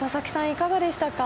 いかがでしたか？